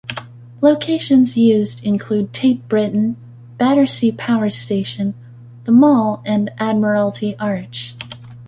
Locations used include Tate Britain, Battersea Power Station, the Mall and Admiralty Arch.